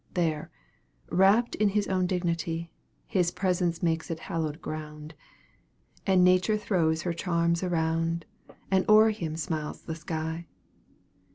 There, wrapt in his own dignity, His presence makes it hallowed ground, And Nature throws her charms around, And o'er him smiles the sky.